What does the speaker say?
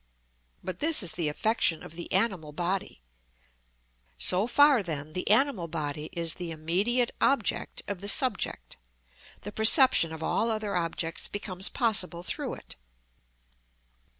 But this is the affection of the animal body. So far, then, the animal body is the immediate object of the subject; the perception of all other objects becomes possible through it.